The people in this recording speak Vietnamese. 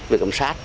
với cộng sát